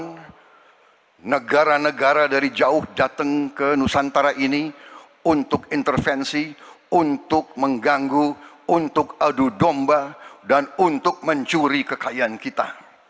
dan negara negara dari jauh datang ke nusantara ini untuk intervensi untuk mengganggu untuk adu domba dan untuk mencuri kekayaan kita